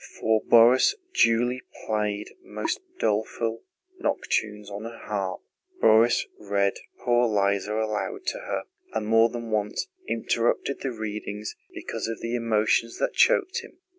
For Borís, Julie played most doleful nocturnes on her harp. Borís read Poor Liza aloud to her, and more than once interrupted the reading because of the emotions that choked him.